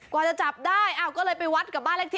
กว่าจะจับได้ก็เลยไปวัดกับบ้านเลขที่